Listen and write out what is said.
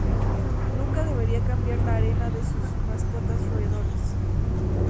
Nunca debería cambiar la arena de sus mascotas roedores.